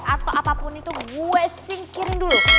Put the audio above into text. atau apapun itu gue sinkin dulu